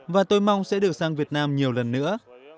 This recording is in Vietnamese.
và tôi mong sẽ được sang việt nam nhiều lần nữa